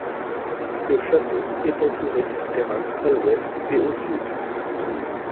Le château est entouré d'une terrasse à l'ouest et au sud.